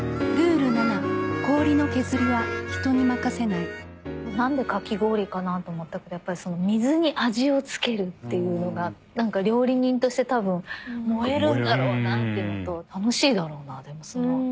なんでかき氷かなと思ったけどやっぱその水に味をつけるっていうのがなんか料理人として多分燃えるんだろうなっていうのと楽しいだろうなでもその。